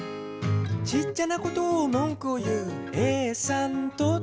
「ちっちゃなことをもんくを言うＡさんと」